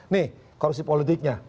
nih korupsi politiknya